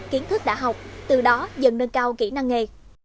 kiến thức đã học từ đó dần nâng cao kỹ năng nghề